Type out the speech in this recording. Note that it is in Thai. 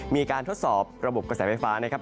ทดสอบระบบกระแสไฟฟ้านะครับ